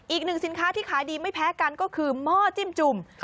อีกหนึ่งสินค้าที่ขายดีไม่แพ้กันก็คือหม้อจิ้มจุ่ม